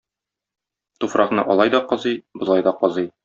Туфракны алай да казый, болай да казый.